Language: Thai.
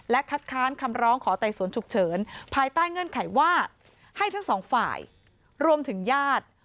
คัดค้านคำร้องขอไต่สวนฉุกเฉินภายใต้เงื่อนไขว่าให้ทั้งสองฝ่ายรวมถึงญาติ